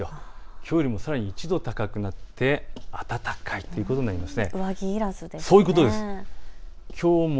きょうよりもさらに１度高くなって暖かいということになります。